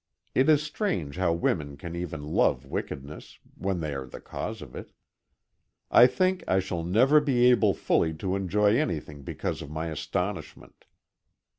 It is strange how women can even love wickedness when they are the cause of it. I think I shall never be able fully to enjoy anything because of my astonishment.